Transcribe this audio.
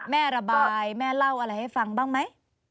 แม่ระบายแม่เล่าอะไรให้ฟังบ้างไหม